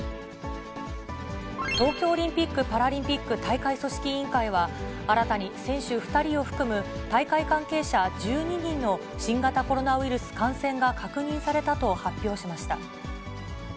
東京オリンピック・パラリンピック大会組織委員会は、新たに選手２人を含む大会関係者１２人の新型コロナウイルス感染が確認されたと発表しました。